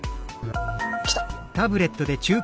来た！